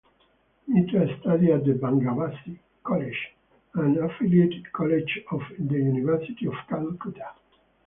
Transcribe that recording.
Mitra studied at the Bangabasi College, an affiliated college of the University of Calcutta.